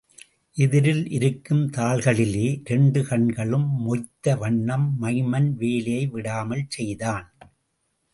எதிரில் இருக்கும் தாள்களிலே இரண்டு கண்களும் மொய்த்த வண்ணம், மைமன் வேலையை விடாமல் செய்தான்.